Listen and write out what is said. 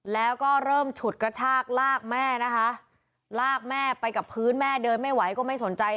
แล้วก็เริ่มฉุดกระชากลากแม่นะคะลากแม่ไปกับพื้นแม่เดินไม่ไหวก็ไม่สนใจ